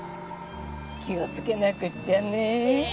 気をつけなくっちゃね。